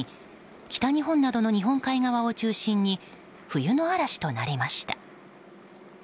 北日本などの日本海側を中心に冬の嵐となりました。